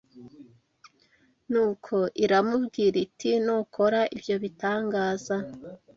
Nuko iramubwira iti ‘nukora ibyo bitangaza